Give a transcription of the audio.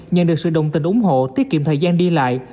nhận được sự đồng tình ủng hộ tiết kiệm thời gian đi lại